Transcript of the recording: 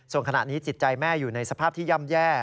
ส่วนขณะนี้จิตใจแม่อยู่ในสภาพที่ย่ำแย่